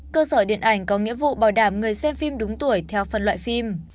cơ sở điện ảnh có nghĩa vụ bảo đảm người xem phim đúng tuổi theo phần loại phim